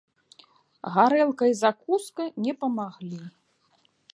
Гарэлка і закуска не памаглі.